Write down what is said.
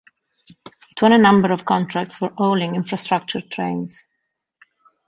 It won a number of contracts for hauling infrastructure trains.